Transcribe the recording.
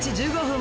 １５分